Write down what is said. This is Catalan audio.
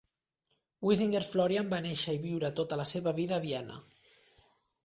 Wisinger-Florian va néixer i viure tota la seva vida a Vienna.